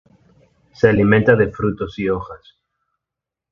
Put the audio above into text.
Se alimenta de frutos y hojas.